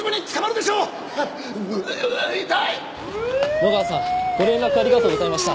野川さんご連絡ありがとうございました。